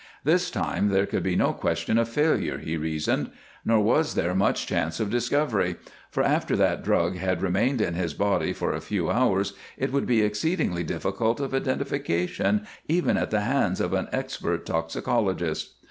This time there could be no question of failure, he reasoned. Nor was there much chance of discovery, for after that drug had remained in his body for a few hours it would be exceedingly difficult of identification, even at the hands of an expert toxicologist.